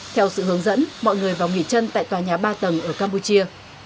theo sự hướng dẫn mọi người vào nghỉ chân tại tòa nhà ba tầng ở campuchia